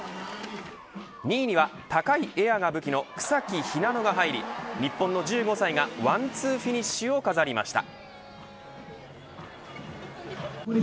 ２位には高いエアが武器の草木ひなのが入り日本の１５歳がワンツーフィニッシュを飾りました。